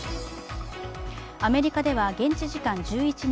アメリカでは現地時間１１日